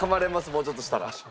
もうちょっとしたら。